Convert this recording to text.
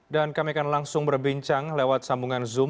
dan kami akan langsung berbincang lewat sambungan zoom